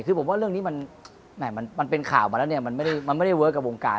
คือผมว่าเรื่องนี้มันเป็นข่าวมาแล้วเนี่ยมันไม่ได้เวิร์คกับวงการ